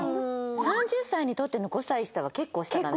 ３０歳にとっての５歳下は結構下だね。